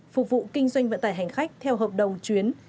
phục vụ kinh doanh vận tải hành khách theo hợp đồng chuyến